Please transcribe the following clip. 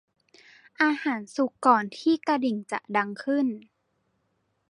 อาหารสุกก่อนที่กระดิ่งจะดังขึ้น